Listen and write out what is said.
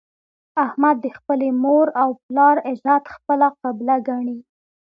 احمد د خپلې مور او پلار عزت خپله قبله ګڼي.